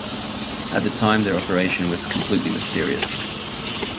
At the time their operation was completely mysterious.